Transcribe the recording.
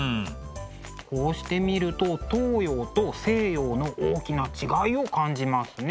こうして見ると東洋と西洋の大きな違いを感じますね。